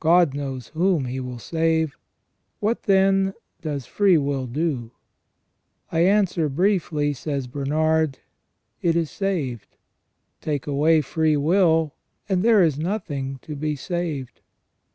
God knows whom He will save. What, then, does free will do ? I answer briefly, says Bernard — it is saved. Take away free will, and there is nothing to be saved.